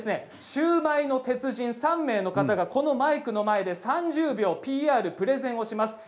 シューマイの達人３人がマイクの前で３０秒ＰＲプレゼンをします。